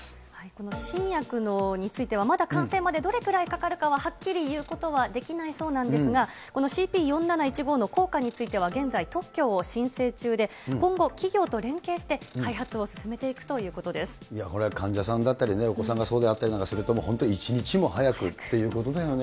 新薬についてはまだ完成までどれくらいかかるかははっきり言うことはできないそうなんですが、このＣＰ４７１５の効果については現在、特許を申請中で、今後、企業と連携して開発を進めていくいや、これ、患者さんだったり、お子さんがそうであったりとかすると、本当、一日も早くっていうことだよね。